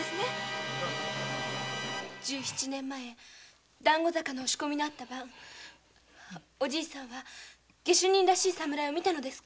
十七年前本郷で「押し込み」のあった晩おじぃさんは下手人らしい侍を見たのですか？